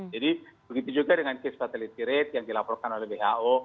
jadi begitu juga dengan case fatality rate yang dilaporkan oleh who